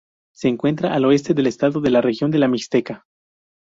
Se encuentra al oeste del estado en la región de la Mixteca.